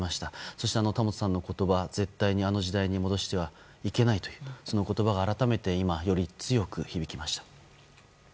そして田本さんの言葉、絶対にあの時代に戻してはいけないという言葉が改めて強く響きました。